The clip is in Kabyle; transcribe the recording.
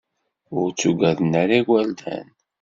Ur t-ugaden ara igerdan.